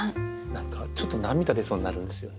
何かちょっと涙出そうになるんですよね。